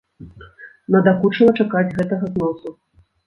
Надакучыла чакаць гэтага зносу.